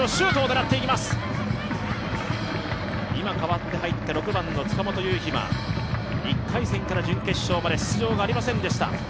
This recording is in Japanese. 今、代わって入った６番の塚本悠日は１回戦から準決勝まで出場がありませんでした。